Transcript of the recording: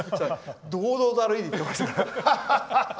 堂々と歩いていってましたから。